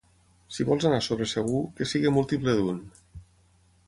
Si vols anar sobre segur, que sigui múltiple d'un.